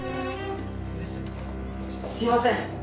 すいません！